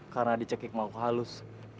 karena dicekik mauk halus